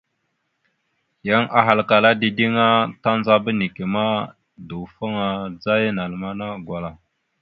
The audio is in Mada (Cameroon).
Yan ahalkala dideŋ a, tandzaba neke ma, dawəfaŋa adzaya naləmana gwala.